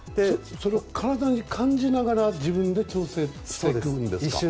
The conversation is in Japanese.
それは体で感じながら自分で調整するんですか？